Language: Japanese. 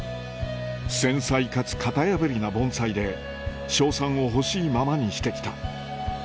繊細かつ型破りな盆栽で称賛をほしいままにしてきた